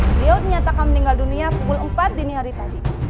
beliau dinyatakan meninggal dunia pukul empat dini hari tadi